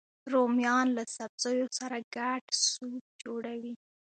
رومیان له سبزیو سره ګډ سوپ جوړوي